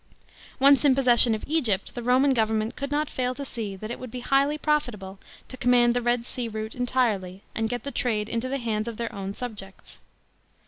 Once in posses sion of Egypt, the Roman government could not fail to see that it would be highly profitable to command the Red Sea route entirely, and get the trade into the hands of their own subjects.